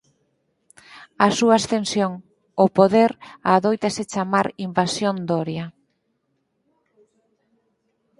A súa ascensión ao poder adóitase chamar «invasión doria».